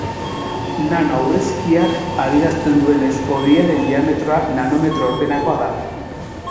Nano aurrizkiak adierazten duenez, hodiaren diametroa nanometro ordenakoa da.